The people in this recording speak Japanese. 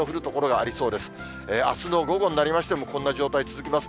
あすの午後になりましても、こんな状態続きます。